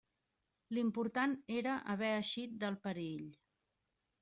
L'important era haver eixit del perill.